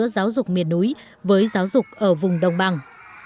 phòng giáo dục miền núi với giáo dục ở vùng đông bằng